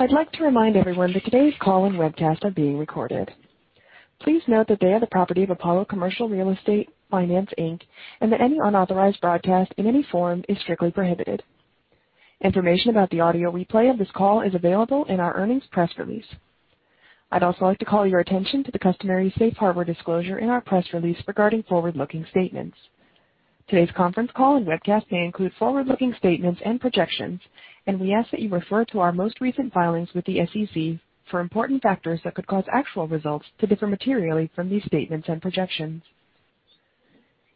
I'd like to remind everyone that today's call and webcast are being recorded. Please note that they are the property of Apollo Commercial Real Estate Finance, Inc., and that any unauthorized broadcast in any form is strictly prohibited. Information about the audio replay of this call is available in our earnings press release. I'd also like to call your attention to the customary safe harbor disclosure in our press release regarding forward-looking statements. Today's conference call and webcast may include forward-looking statements and projections, and we ask that you refer to our most recent filings with the SEC for important factors that could cause actual results to differ materially from these statements and projections.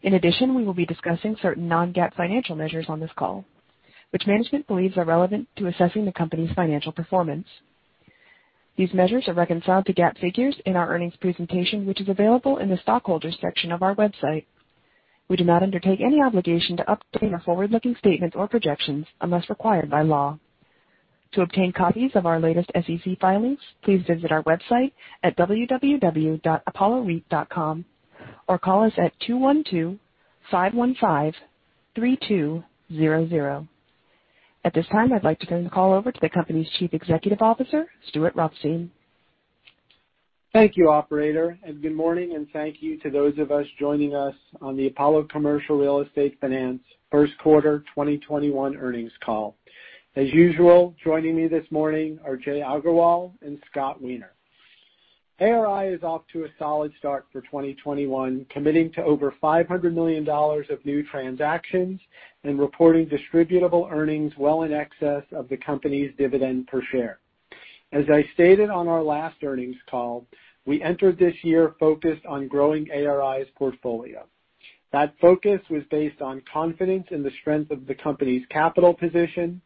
In addition, we will be discussing certain non-GAAP financial measures on this call, which management believes are relevant to assessing the company's financial performance. These measures are reconciled to GAAP figures in our earnings presentation, which is available in the Shareholders section of our website. We do not undertake any obligation to update any forward-looking statements or projections unless required by law. To obtain copies of our latest SEC filings, please visit our website at www.apolloreit.com or call us at 212-515-3200. At this time, I'd like to turn the call over to the company's Chief Executive Officer, Stuart Rothstein. Thank you, operator, and good morning, and thank you to those of us joining us on the Apollo Commercial Real Estate Finance first quarter 2021 earnings call. As usual, joining me this morning are Jai Agarwal and Scott Weiner. ARI is off to a solid start for 2021, committing to over $500 million of new transactions and reporting Distributable Earnings well in excess of the company's dividend per share. As I stated on our last earnings call, we entered this year focused on growing ARI's portfolio. That focus was based on confidence in the strength of the company's capital position,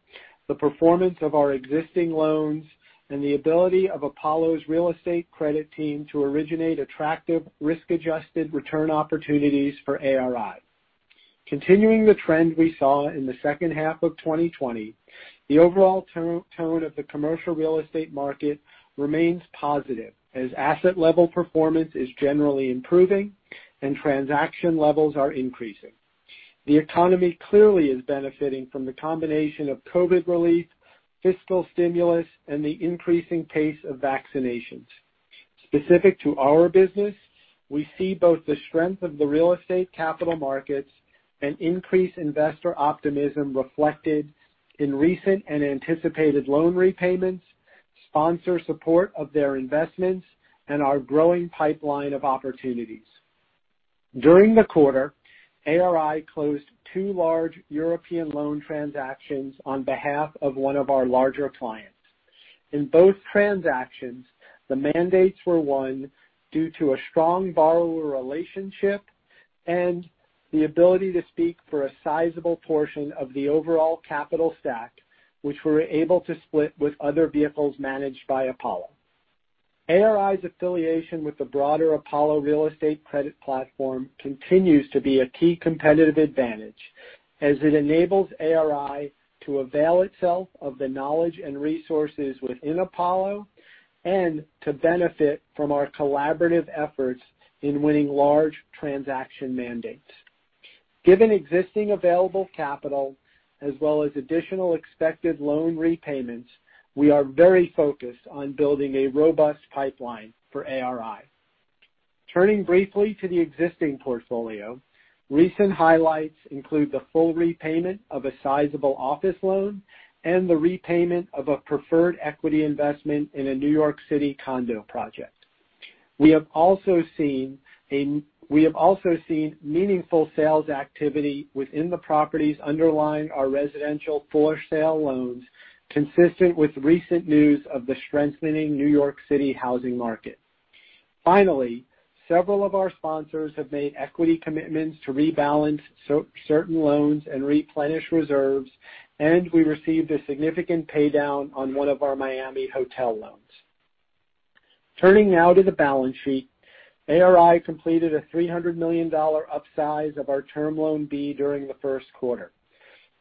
the performance of our existing loans, and the ability of Apollo's real estate credit team to originate attractive risk-adjusted return opportunities for ARI. Continuing the trend we saw in the second half of 2020, the overall tone of the commercial real estate market remains positive, as asset level performance is generally improving and transaction levels are increasing. The economy clearly is benefiting from the combination of COVID relief, fiscal stimulus, and the increasing pace of vaccinations. Specific to our business, we see both the strength of the real estate capital markets and increased investor optimism reflected in recent and anticipated loan repayments, sponsor support of their investments, and our growing pipeline of opportunities. During the quarter, ARI closed two large European loan transactions on behalf of one of our larger clients. In both transactions, the mandates were won due to a strong borrower relationship and the ability to speak for a sizable portion of the overall capital stack, which we were able to split with other vehicles managed by Apollo. ARI's affiliation with the broader Apollo Real Estate Credit platform continues to be a key competitive advantage, as it enables ARI to avail itself of the knowledge and resources within Apollo and to benefit from our collaborative efforts in winning large transaction mandates. Given existing available capital as well as additional expected loan repayments, we are very focused on building a robust pipeline for ARI. Turning briefly to the existing portfolio, recent highlights include the full repayment of a sizable office loan and the repayment of a preferred equity investment in a New York City condo project. We have also seen meaningful sales activity within the properties underlying our residential for sale loans, consistent with recent news of the strengthening New York City housing market. Finally, several of our sponsors have made equity commitments to rebalance certain loans and replenish reserves, and we received a significant paydown on one of our Miami hotel loans. Turning now to the balance sheet, ARI completed a $300 million upsize of our Term Loan B during the first quarter.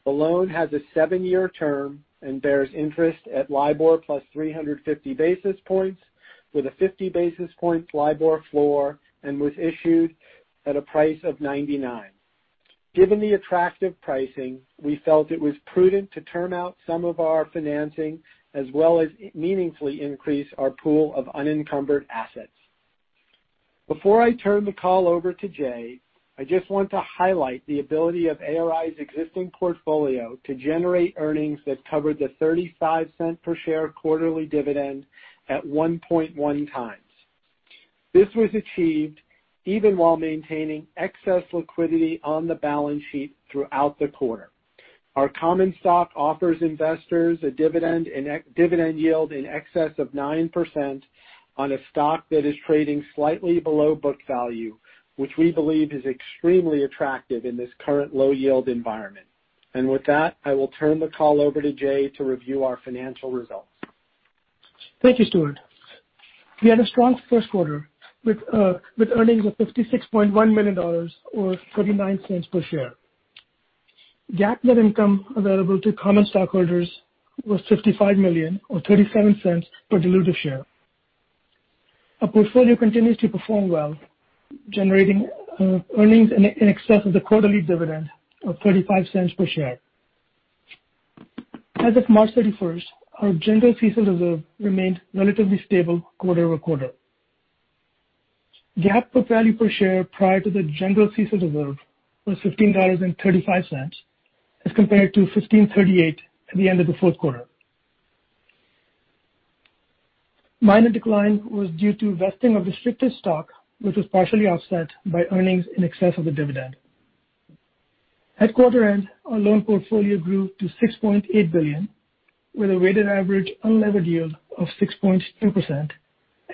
The loan has a seven-year term and bears interest at LIBOR +350 basis points with a 50 basis points LIBOR floor and was issued at a price of 99. Given the attractive pricing, we felt it was prudent to term out some of our financing as well as meaningfully increase our pool of unencumbered assets. Before I turn the call over to Jai, I just want to highlight the ability of ARI's existing portfolio to generate earnings that covered the $0.35 per share quarterly dividend at 1.1x. This was achieved even while maintaining excess liquidity on the balance sheet throughout the quarter. Our common stock offers investors a dividend yield in excess of 9% on a stock that is trading slightly below book value, which we believe is extremely attractive in this current low yield environment. With that, I will turn the call over to Jai to review our financial results. Thank you, Stuart. We had a strong first quarter with earnings of $56.1 million or $0.49 per share. GAAP net income available to common stockholders was $55 million or $0.37 per dilutive share. Our portfolio continues to perform well, generating earnings in excess of the quarterly dividend of $0.35 per share. As of March 31st, our general CECL reserve remained relatively stable quarter-over-quarter. GAAP book value per share prior to the general CECL reserve was $15.35 as compared to $15.38 at the end of the fourth quarter. Minor decline was due to vesting of restricted stock, which was partially offset by earnings in excess of the dividend. At quarter end, our loan portfolio grew to $6.8 billion, with a weighted average unlevered yield of 6.2%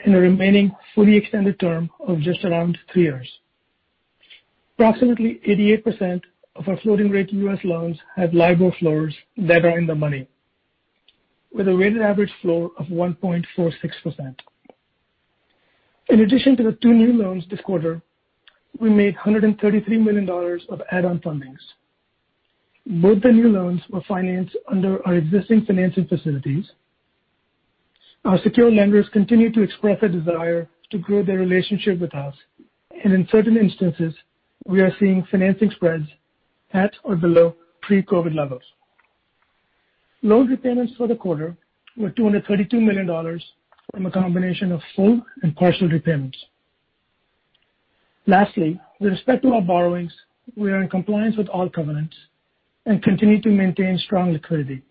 and a remaining fully extended term of just around three years. Approximately 88% of our floating rate U.S. loans have LIBOR floors that are in the money with a weighted average floor of 1.46%. In addition to the two new loans this quarter, we made $133 million of add-on fundings. Both the new loans were financed under our existing financing facilities. Our secure lenders continue to express a desire to grow their relationship with us, and in certain instances, we are seeing financing spreads at or below pre-COVID levels. Loan repayments for the quarter were $232 million from a combination of full and partial repayments. Lastly, with respect to our borrowings, we are in compliance with all covenants and continue to maintain strong liquidity.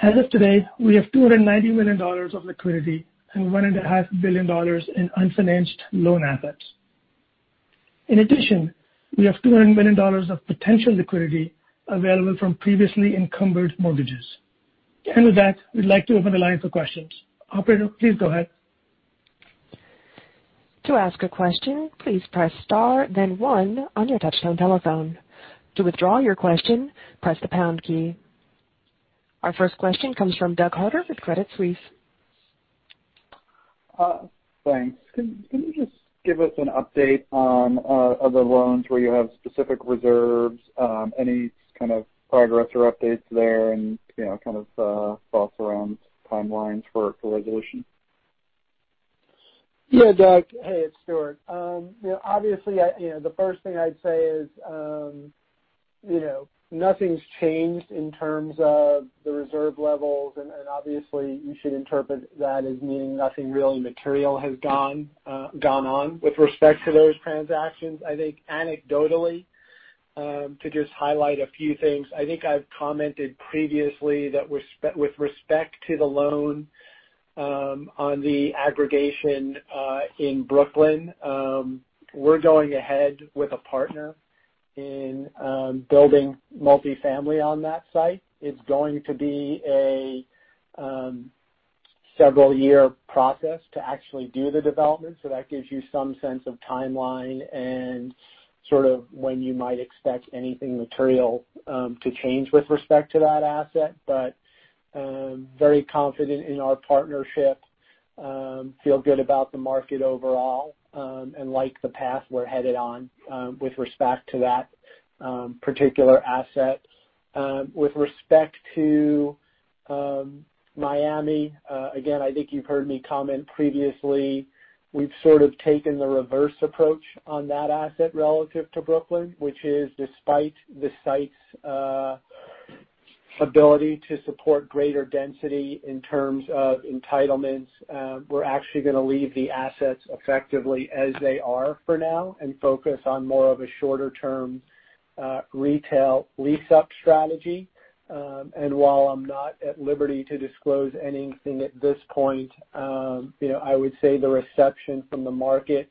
As of today, we have $290 million of liquidity and $1.5 billion in unfinanced loan assets. In addition, we have $200 million of potential liquidity available from previously encumbered mortgages. With that, we'd like to open the line for questions. Operator, please go ahead. To ask a question, please press star then one on your touch tone telephone. To withdraw your question, press the pound key. Our first question comes from Doug Harter with Credit Suisse. Thanks. Can you just give us an update on the loans where you have specific reserves, any kind of progress or updates there and kind of thoughts around timelines for resolution? Yeah, Doug. Hey, it's Stuart. Obviously, the first thing I'd say is nothing's changed in terms of the reserve levels. Obviously you should interpret that as meaning nothing really material has gone on with respect to those transactions. I think anecdotally, to just highlight a few things, I think I've commented previously that with respect to the loan on the aggregation in Brooklyn, we're going ahead with a partner in building multifamily on that site. It's going to be a several year process to actually do the development. That gives you some sense of timeline and sort of when you might expect anything material to change with respect to that asset. Very confident in our partnership, feel good about the market overall, and like the path we're headed on with respect to that particular asset. With respect to Miami, again, I think you've heard me comment previously, we've sort of taken the reverse approach on that asset relative to Brooklyn, which is despite the site's ability to support greater density in terms of entitlements, we're actually going to leave the assets effectively as they are for now and focus on more of a shorter term retail lease-up strategy. While I'm not at liberty to disclose anything at this point, I would say the reception from the market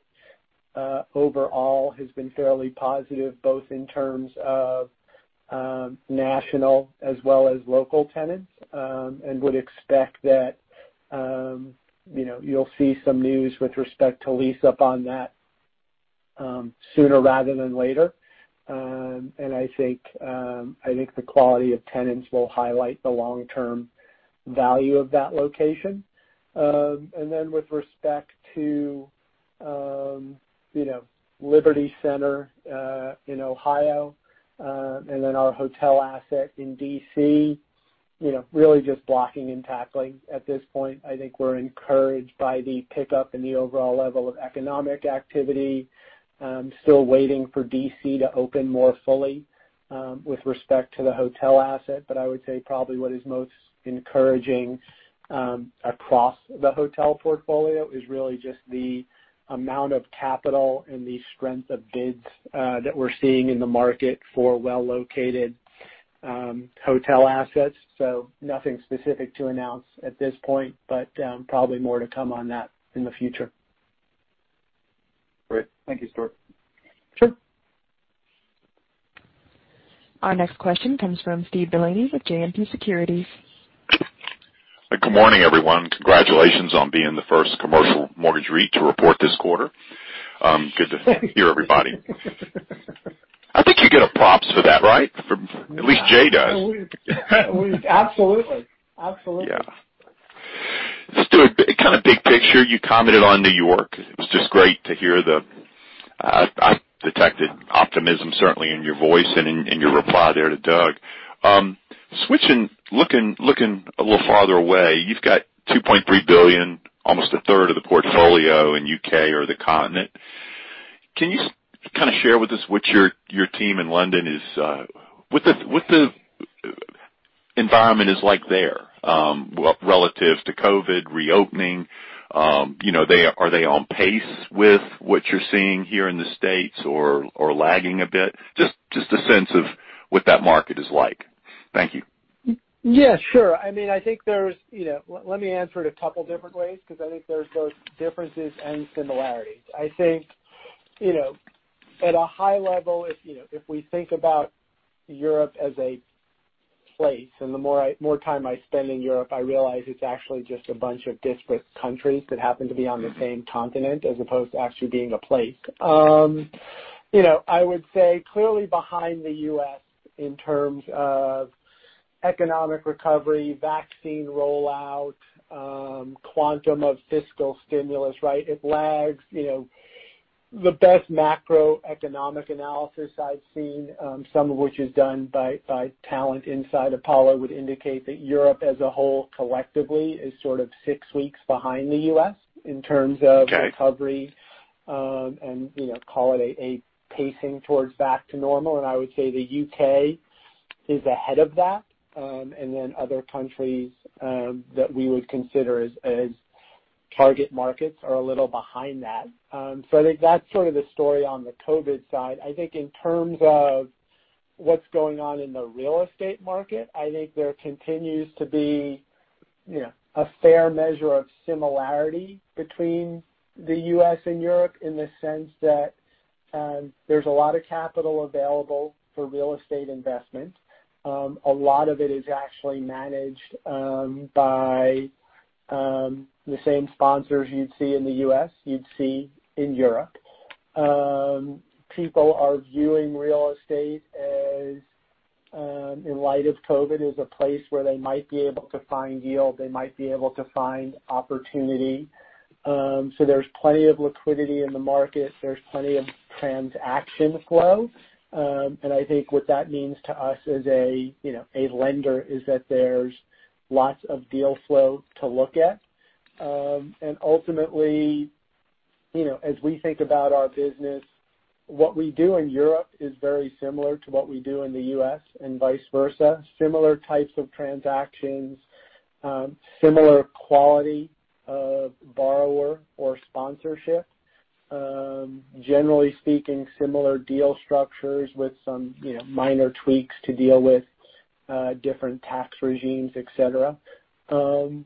overall has been fairly positive, both in terms of national as well as local tenants, and would expect that you'll see some news with respect to lease-up on that sooner rather than later. I think the quality of tenants will highlight the long-term value of that location. With respect to Liberty Center in Ohio, and then our hotel asset in D.C., really just blocking and tackling at this point. I think we're encouraged by the pickup in the overall level of economic activity. Still waiting for D.C. to open more fully with respect to the hotel asset. Probably what is most encouraging across the hotel portfolio is really just the amount of capital and the strength of bids that we're seeing in the market for well-located hotel assets. Nothing specific to announce at this point, but probably more to come on that in the future. Great. Thank you, Stuart. Sure. Our next question comes from Steve Delaney with JMP Securities. Good morning, everyone. Congratulations on being the first commercial mortgage REIT to report this quarter. Good to hear everybody. I think you get a props for that, right? At least Jai does. Absolutely. Yeah. Stuart, kind of big picture, you commented on New York. It was just great to hear I detected optimism, certainly in your voice and in your reply there to Doug. Switching, looking a little farther away, you've got $2.3 billion, almost a 1/3 of the portfolio in U.K. or the continent. Can you kind of share with us what your team in London is what the environment is like there relative to COVID reopening? Are they on pace with what you're seeing here in the United States or lagging a bit? Just a sense of what that market is like. Thank you. Yeah, sure. Let me answer it a couple different ways, because I think there's both differences and similarities. I think, at a high level, if we think about Europe as a place, the more time I spend in Europe, I realize it's actually just a bunch of disparate countries that happen to be on the same continent as opposed to actually being a place. I would say clearly behind the U.S. in terms of economic recovery, vaccine rollout, quantum of fiscal stimulus. It lags. The best macroeconomic analysis I've seen, some of which is done by talent inside Apollo, would indicate that Europe as a whole, collectively, is sort of six weeks behind the U.S. in terms of. Okay Recovery, and call it a pacing towards back to normal. I would say the U.K. is ahead of that. Other countries that we would consider as target markets are a little behind that. I think that's sort of the story on the COVID side. I think in terms of what's going on in the real estate market, I think there continues to be a fair measure of similarity between the U.S. and Europe in the sense that there's a lot of capital available for real estate investment. A lot of it is actually managed by the same sponsors you'd see in the U.S., you'd see in Europe. People are viewing real estate, in light of COVID, as a place where they might be able to find yield. They might be able to find opportunity. There's plenty of liquidity in the market. There's plenty of transaction flow. I think what that means to us as a lender is that there's lots of deal flow to look at. Ultimately, as we think about our business, what we do in Europe is very similar to what we do in the U.S. and vice versa. Similar types of transactions, similar quality of borrower or sponsorship. Generally speaking, similar deal structures with some minor tweaks to deal with different tax regimes, et cetera, in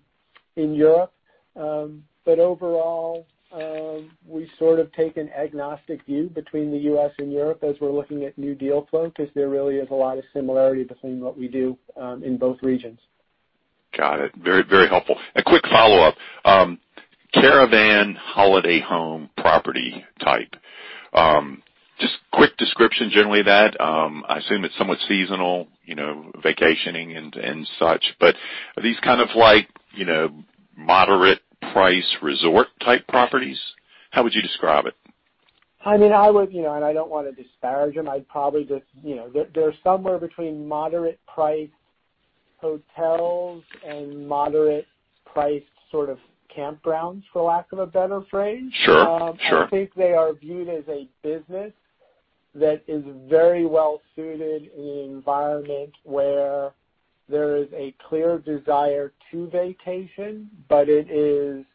Europe. Overall, we sort of take an agnostic view between the U.S. and Europe as we're looking at new deal flow, because there really is a lot of similarity between what we do in both regions. Got it. Very helpful. A quick follow-up. Caravan holiday home property type. Just quick description, generally of that. I assume it's somewhat seasonal, vacationing and such. Are these kind of like moderate price resort type properties? How would you describe it? I don't want to disparage them. They're somewhere between moderate priced hotels and moderate priced sort of campgrounds, for lack of a better phrase. Sure. I think they are viewed as a business that is very well-suited in an environment where there is a clear desire to vacation. It is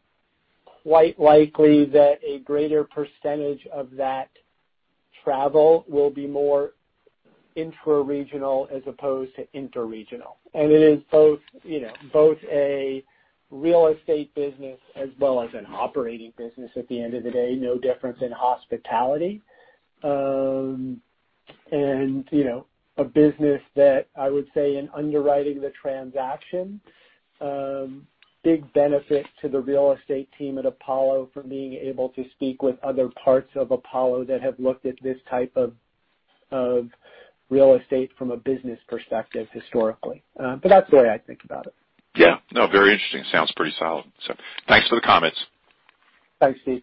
quite likely that a greater percentage of that travel will be more intra-regional as opposed to inter-regional. It is both a real estate business as well as an operating business at the end of the day, no difference in hospitality. A business that I would say in underwriting the transaction, big benefit to the real estate team at Apollo for being able to speak with other parts of Apollo that have looked at this type of real estate from a business perspective historically. That's the way I think about it. Yeah. No, very interesting. Sounds pretty solid. Thanks for the comments. Thanks, Steve.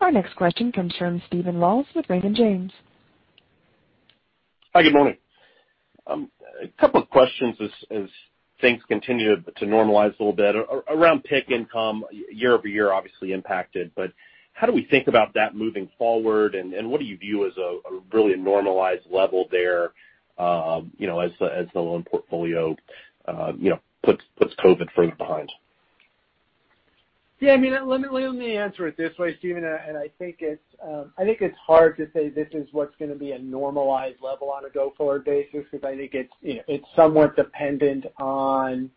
Our next question comes from Steven Laws with Raymond James. Hi, good morning. A couple of questions as things continue to normalize a little bit around PIK income year-over-year obviously impacted, but how do we think about that moving forward, and what do you view as a really normalized level there as the loan portfolio puts COVID further behind? Yeah. Let me answer it this way, Steven, I think it's hard to say this is what's going to be a normalized level on a go-forward basis, because I think it's somewhat dependent on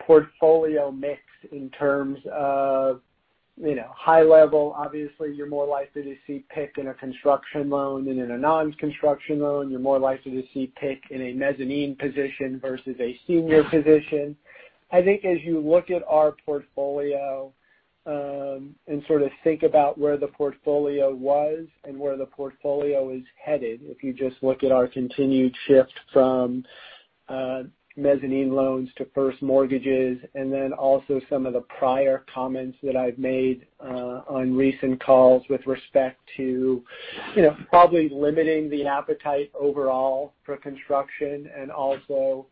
portfolio mix in terms of high level. Obviously, you're more likely to see PIK in a construction loan than in a non-construction loan. You're more likely to see PIK in a mezzanine position versus a senior position. I think as you look at our portfolio, and sort of think about where the portfolio was and where the portfolio is headed, if you just look at our continued shift from mezzanine loans to first mortgages, and then also some of the prior comments that I've made on recent calls with respect to probably limiting the appetite overall for construction and also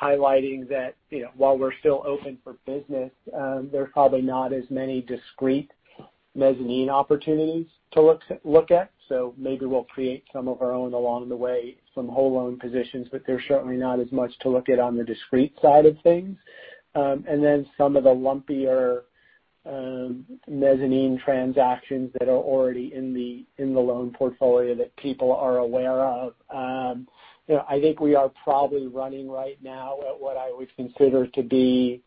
highlighting that while we're still open for business, there are probably not as many discrete mezzanine opportunities to look at. Maybe we'll create some of our own along the way, some whole loan positions, but there's certainly not as much to look at on the discrete side of things. Some of the lumpier mezzanine transactions that are already in the loan portfolio that people are aware of. I think we are probably running right now at what I would consider to be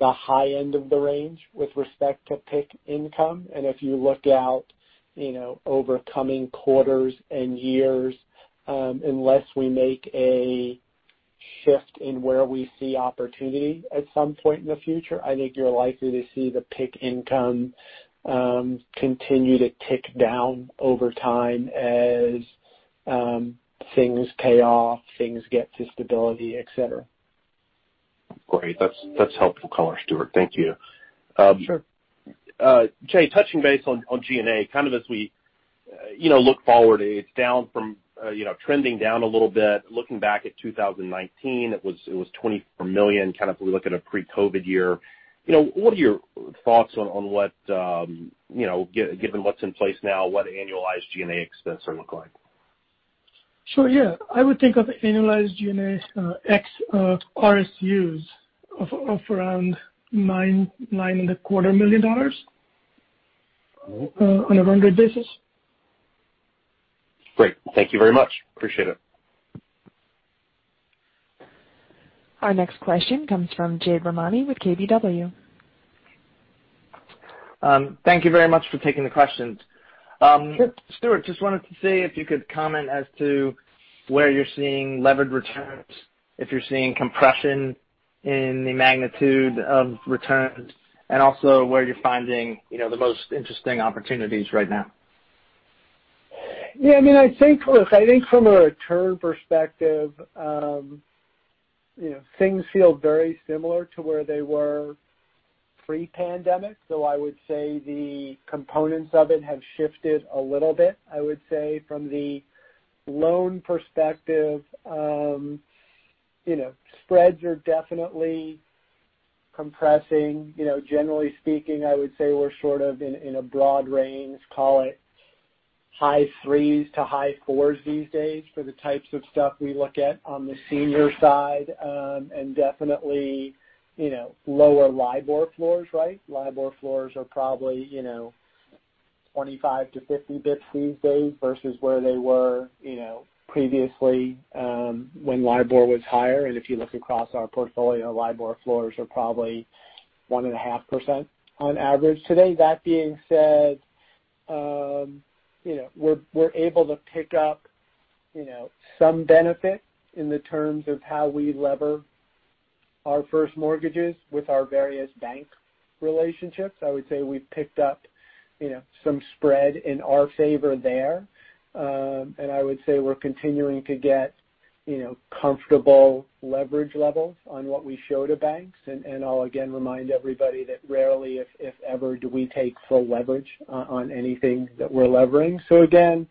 the high end of the range with respect to PIK income. If you look out over coming quarters and years, unless we make a shift in where we see opportunity at some point in the future, I think you're likely to see the PIK income continue to tick down over time as things pay off, things get to stability, et cetera. Great. That's helpful color, Stuart. Thank you. Sure. Jai, touching base on G&A, as we look forward, it's trending down a little bit. Looking back at 2019, it was $24 million. If we look at a pre-COVID year, what are your thoughts on what, given what's in place now, what annualized G&A expense look like? Sure. Yeah. I would think of annualized G&A ex-RSUs of around $9.25 million on a run rate basis. Great. Thank you very much. Appreciate it. Our next question comes from Jade Rahmani with KBW. Thank you very much for taking the questions. Sure. Stuart, just wanted to see if you could comment as to where you're seeing levered returns, if you're seeing compression in the magnitude of returns, and also where you're finding the most interesting opportunities right now? Yeah. Look, I think from a return perspective, things feel very similar to where they were pre-pandemic. I would say the components of it have shifted a little bit. I would say from the loan perspective, spreads are definitely compressing. Generally speaking, I would say we're in a broad range, call it high threes to high fours these days for the types of stuff we look at on the senior side. Definitely, lower LIBOR floors. LIBOR floors are probably 25 basis points to 50 basis points these days versus where they were previously, when LIBOR was higher. If you look across our portfolio, LIBOR floors are probably 1.5% on average today. That being said, we're able to pick up some benefit in the terms of how we lever our first mortgages with our various bank relationships. I would say we've picked up some spread in our favor there. I would say we're continuing to get comfortable leverage levels on what we show to banks. I'll again remind everybody that rarely, if ever, do we take full leverage on anything that we're levering. Again,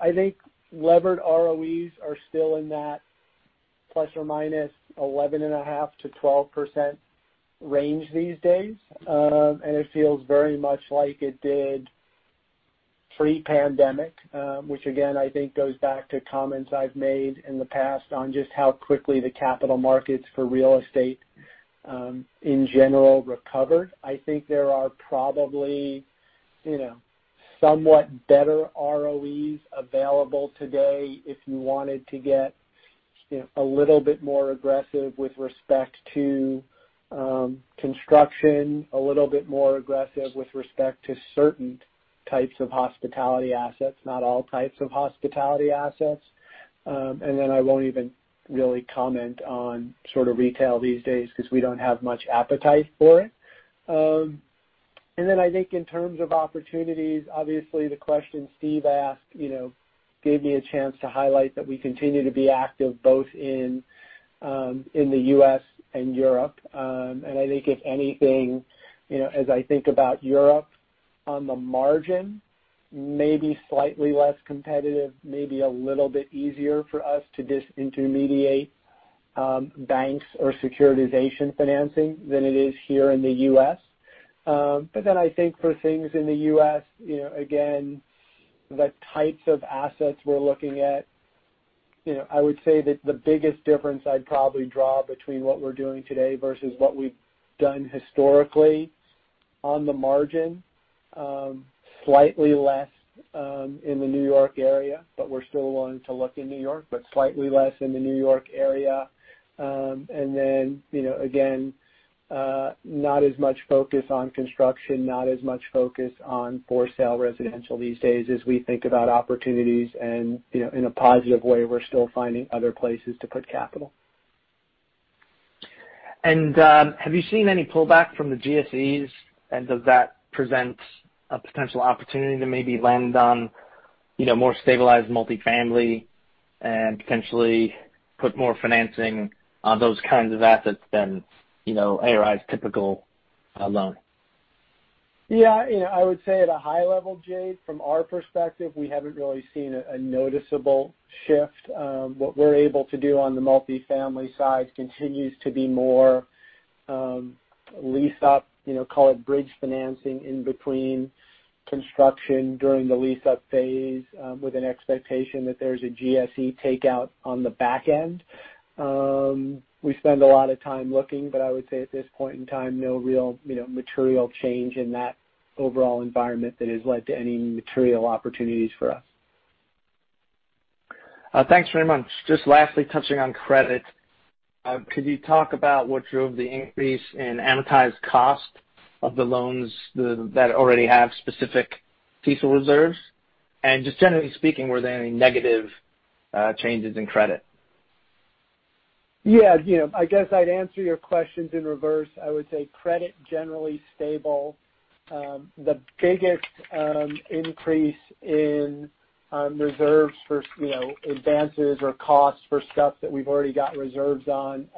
I think levered ROEs are still in that ±11.5%-12% range these days. It feels very much like it did pre-pandemic. Again, I think goes back to comments I've made in the past on just how quickly the capital markets for real estate in general recovered. There are probably somewhat better ROEs available today if you wanted to get a little bit more aggressive with respect to construction, a little bit more aggressive with respect to certain types of hospitality assets, not all types of hospitality assets. I won't even really comment on retail these days because we don't have much appetite for it. I think in terms of opportunities, obviously the question Steve asked gave me a chance to highlight that we continue to be active both in the U.S. and Europe. I think if anything, as I think about Europe on the margin, maybe slightly less competitive, maybe a little bit easier for us to disintermediate banks or securitization financing than it is here in the U.S. I think for things in the U.S., again, the types of assets we're looking at, I would say that the biggest difference I'd probably draw between what we're doing today versus what we've done historically on the margin, slightly less in the New York area, but we're still wanting to look in New York, but slightly less in the New York area. Again, not as much focus on construction, not as much focus on for-sale residential these days as we think about opportunities. In a positive way, we're still finding other places to put capital. Have you seen any pullback from the GSEs? Does that present a potential opportunity to maybe land on more stabilized multifamily and potentially put more financing on those kinds of assets than ARI's typical loan? Yeah. I would say at a high level, Jade, from our perspective, we haven't really seen a noticeable shift. What we're able to do on the multifamily side continues to be more lease-up, call it bridge financing in between construction during the lease-up phase, with an expectation that there's a GSE takeout on the back end. We spend a lot of time looking, but I would say at this point in time, no real material change in that overall environment that has led to any material opportunities for us. Thanks very much. Just lastly, touching on credit, could you talk about what drove the increase in amortized cost of the loans that already have specific CECL reserves? Just generally speaking, were there any negative changes in credit? Yeah. I guess I'd answer your questions in reverse. I would say credit, generally stable. The biggest increase in reserves for advances or costs for stuff that we've already got reserves on.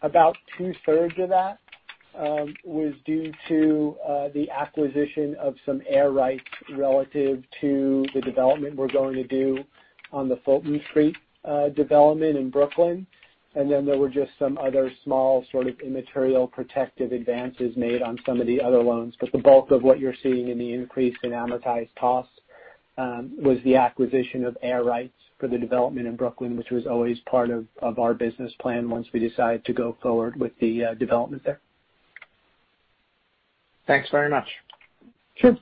About 2/3 of that was due to the acquisition of some air rights relative to the development we're going to do on the Fulton Street development in Brooklyn. Then there were just some other small, immaterial protective advances made on some of the other loans. The bulk of what you're seeing in the increase in amortized costs was the acquisition of air rights for the development in Brooklyn, which was always part of our business plan once we decided to go forward with the development there. Thanks very much. Sure.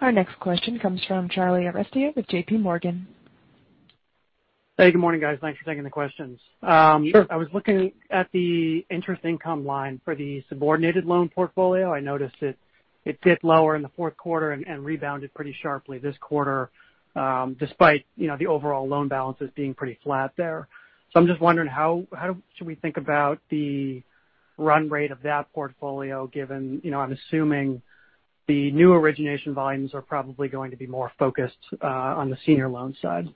Our next question comes from Charlie Arestia with JPMorgan. Hey, good morning, guys. Thanks for taking the questions. Sure. I was looking at the interest income line for the subordinated loan portfolio. I noticed it dipped lower in the fourth quarter and rebounded pretty sharply this quarter, despite the overall loan balances being pretty flat there. I'm just wondering, how should we think about the run rate of that portfolio given, I'm assuming the new origination volumes are probably going to be more focused on the senior loan side.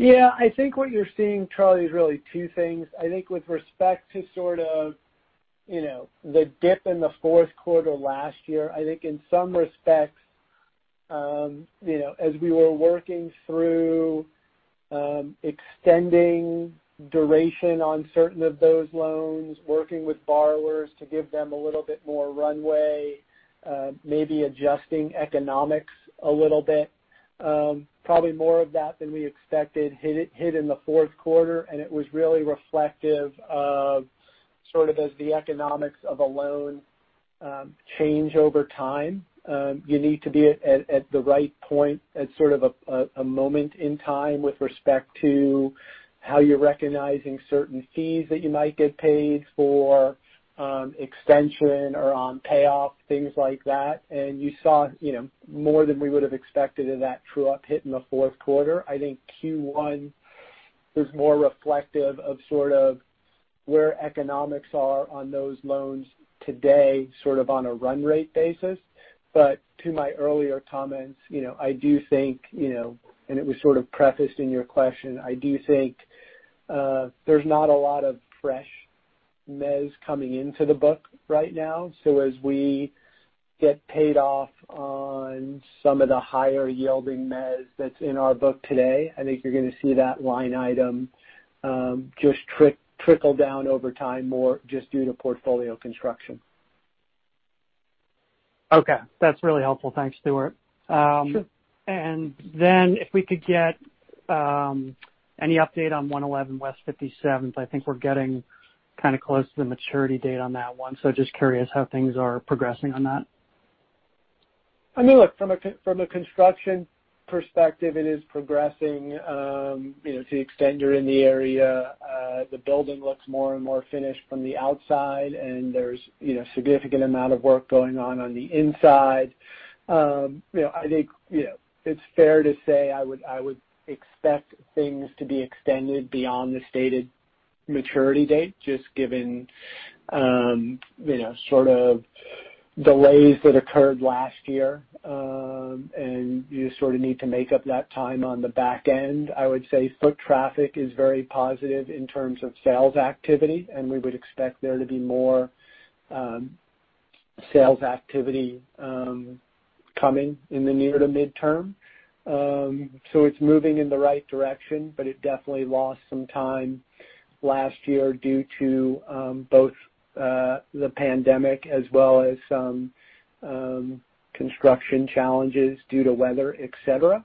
I think what you're seeing, Charlie, is really two things. I think with respect to the dip in the fourth quarter last year. I think in some respects, as we were working through extending duration on certain of those loans, working with borrowers to give them a little bit more runway, maybe adjusting economics a little bit. Probably more of that than we expected hit in the fourth quarter, and it was really reflective of as the economics of a loan change over time. You need to be at the right point at a moment in time with respect to how you're recognizing certain fees that you might get paid for extension or on payoff, things like that. You saw more than we would have expected of that true-up hit in the fourth quarter. I think Q1 was more reflective of where economics are on those loans today, on a run rate basis. To my earlier comments, I do think, and it was sort of prefaced in your question, I do think there's not a lot of fresh mezz coming into the book right now. As we get paid off on some of the higher-yielding mezz that's in our book today, I think you're going to see that line item just trickle down over time, more just due to portfolio construction. Okay. That's really helpful. Thanks, Stuart. Sure. If we could get any update on 111 West 57th. I think we're getting kind of close to the maturity date on that one. Just curious how things are progressing on that. I mean, look, from a construction perspective, it is progressing. To the extent you're in the area, the building looks more and more finished from the outside, and there's a significant amount of work going on on the inside. I think it's fair to say I would expect things to be extended beyond the stated maturity date, just given delays that occurred last year. You sort of need to make up that time on the back end. I would say foot traffic is very positive in terms of sales activity, and we would expect there to be more sales activity coming in the near to midterm. It's moving in the right direction, but it definitely lost some time last year due to both the pandemic as well as some construction challenges due to weather, et cetera.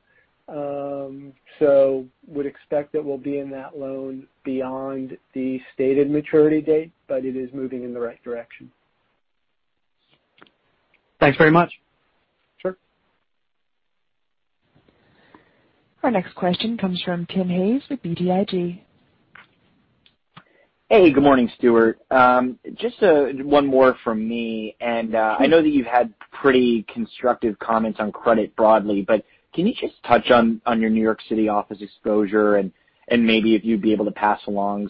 Would expect that we'll be in that loan beyond the stated maturity date, but it is moving in the right direction. Thanks very much. Sure. Our next question comes from Timothy Hayes with BTIG. Hey, good morning, Stuart. Just one more from me. I know that you've had pretty constructive comments on credit broadly, but can you just touch on your New York City office exposure and maybe if you'd be able to pass along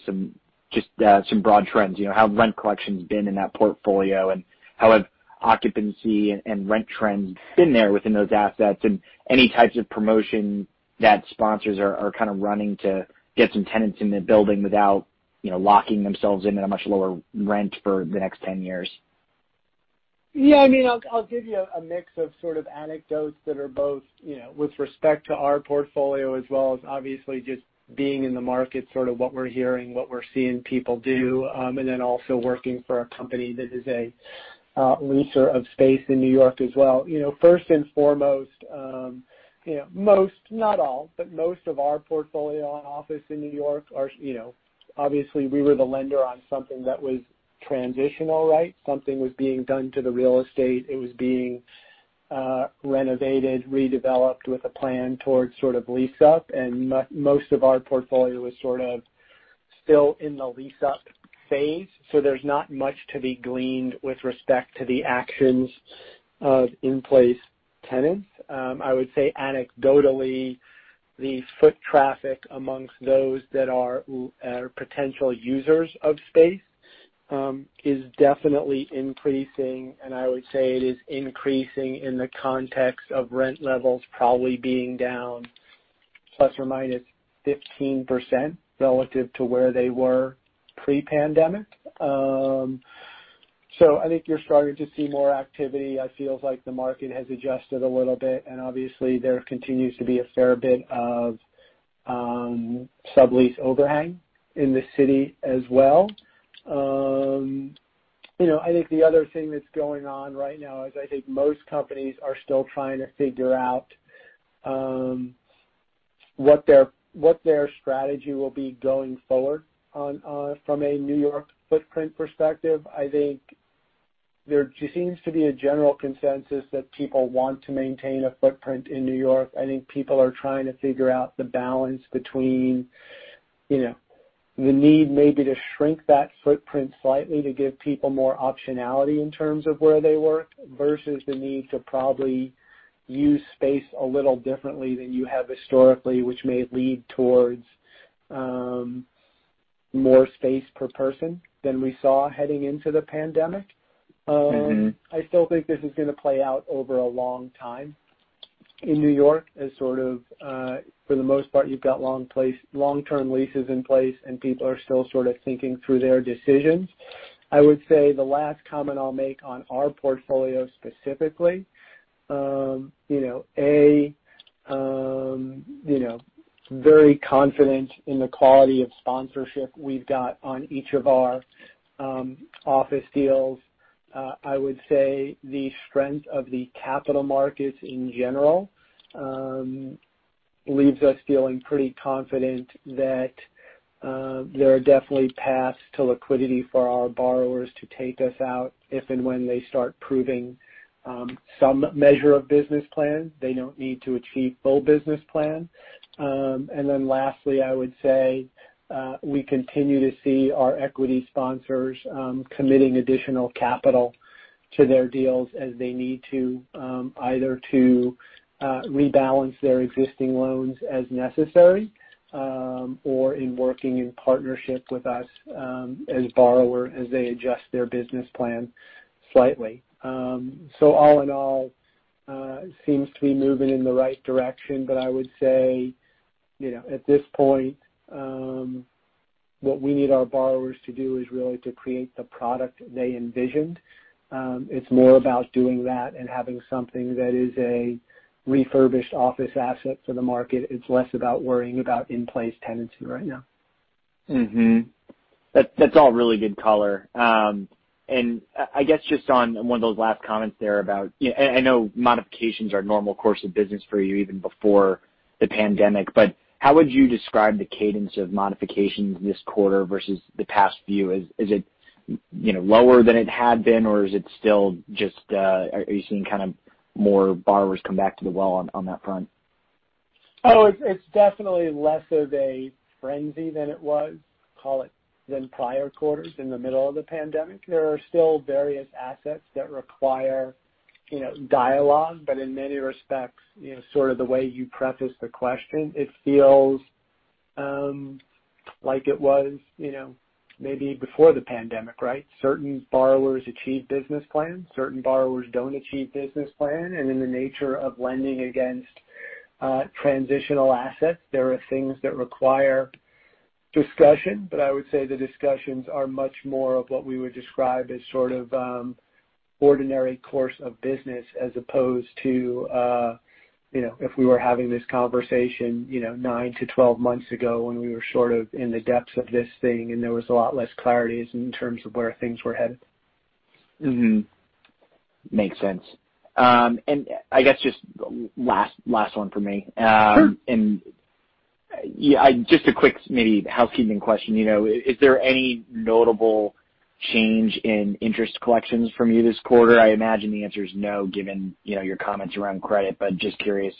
just some broad trends? How rent collection's been in that portfolio, and how have occupancy and rent trends been there within those assets, and any types of promotion that sponsors are kind of running to get some tenants in the building without locking themselves into a much lower rent for the next 10 years? Yeah. I'll give you a mix of sort of anecdotes that are both with respect to our portfolio as well as obviously just being in the market, sort of what we're hearing, what we're seeing people do, and then also working for a company that is a leaser of space in New York as well. First and foremost, most, not all, but most of our portfolio on office in New York are obviously we were the lender on something that was transitional. Something was being done to the real estate. It was being renovated, redeveloped with a plan towards sort of lease-up. Most of our portfolio is sort of still in the lease-up phase. There's not much to be gleaned with respect to the actions of in-place tenants. I would say anecdotally, the foot traffic amongst those that are potential users of space is definitely increasing. I would say it is increasing in the context of rent levels probably being down ±15% relative to where they were pre-pandemic. I think you're starting to see more activity. It feels like the market has adjusted a little bit. Obviously there continues to be a fair bit of sublease overhang in the city as well. I think the other thing that's going on right now is I think most companies are still trying to figure out what their strategy will be going forward from a New York footprint perspective. I think there seems to be a general consensus that people want to maintain a footprint in New York. I think people are trying to figure out the balance between the need maybe to shrink that footprint slightly to give people more optionality in terms of where they work, versus the need to probably use space a little differently than you have historically, which may lead towards more space per person than we saw heading into the pandemic. I still think this is going to play out over a long time in New York as sort of, for the most part, you've got long-term leases in place, and people are still sort of thinking through their decisions. I would say the last comment I'll make on our portfolio specifically, A, very confident in the quality of sponsorship we've got on each of our office deals. I would say the strength of the capital markets in general leaves us feeling pretty confident that there are definitely paths to liquidity for our borrowers to take us out if and when they start proving some measure of business plan. They don't need to achieve full business plan. Lastly, I would say we continue to see our equity sponsors committing additional capital to their deals as they need to, either to rebalance their existing loans as necessary or in working in partnership with us as borrower as they adjust their business plan slightly. All in all, seems to be moving in the right direction, but I would say at this point, what we need our borrowers to do is really to create the product they envisioned. It's more about doing that and having something that is a refurbished office asset for the market. It's less about worrying about in-place tenancy right now. That's all really good color. I guess just on one of those last comments there. I know modifications are normal course of business for you even before the pandemic. How would you describe the cadence of modifications this quarter versus the past few? Is it lower than it had been, or are you seeing kind of more borrowers come back to the well on that front? Oh, it's definitely less of a frenzy than it was, call it, than prior quarters in the middle of the pandemic. There are still various assets that require dialogue, but in many respects, sort of the way you preface the question, it feels like it was maybe before the pandemic. Certain borrowers achieve business plan, certain borrowers don't achieve business plan, and in the nature of lending against transitional assets, there are things that require discussion. I would say the discussions are much more of what we would describe as sort of ordinary course of business as opposed to if we were having this conversation 9-12 months ago when we were sort of in the depths of this thing and there was a lot less clarity in terms of where things were headed. Mm-hmm. Makes sense. I guess just last one from me. Sure. Just a quick maybe housekeeping question. Is there any notable change in interest collections from you this quarter? I imagine the answer is no, given your comments around credit. Just curious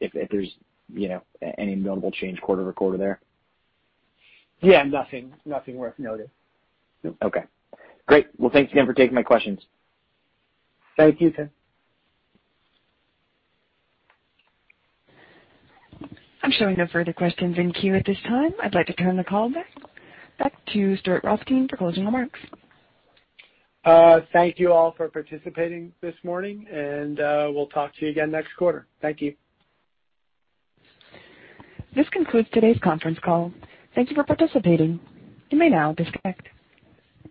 if there's any notable change quarter-over-quarter there? Yeah, nothing worth noting. Okay. Great. Well, thanks again for taking my questions. Thank you, Tim. I'm showing no further questions in queue at this time. I'd like to turn the call back to Stuart Rothstein for closing remarks. Thank you all for participating this morning. We'll talk to you again next quarter. Thank you. This concludes today's conference call. Thank you for participating. You may now disconnect.